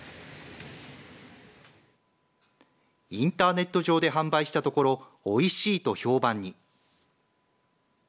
インターネット上で販売したところおいしいと評判に。